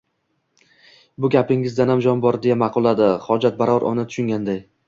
-Bu gapingizdayam jon bor, — deya ma’qulladi “xojatbarori” uni tushunganday.